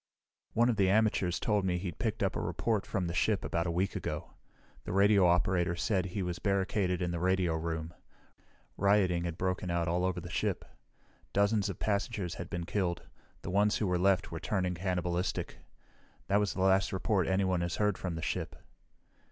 "One of the amateurs told me he'd picked up a report from the ship about a week ago. The radio operator said he was barricaded in the radio room. Rioting had broken out all over the ship. Dozens of passengers had been killed; the ones who were left were turning cannibalistic. That was the last report anyone has heard from the ship."